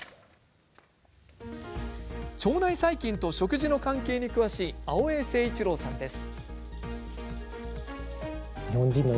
腸内細菌と食事との関係に詳しい青江誠一郎さんです。